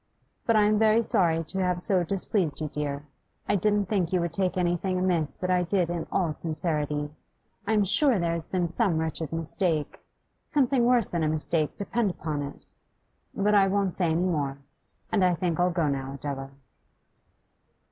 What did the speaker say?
But I am very sorry to have so displeased you, dear. I didn't think you would take anything amiss that I did in all sincerity. I am sure there has been some wretched mistake, something worse than a mistake, depend upon it. But I won't say any more. And I think I'll go now, Adela.